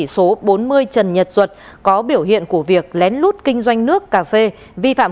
xin chào các bạn